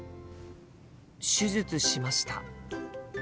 手術しました。